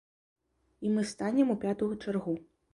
І мы станем у пятую чаргу.